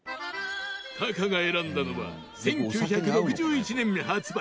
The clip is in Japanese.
タカが選んだのは１９６１年発売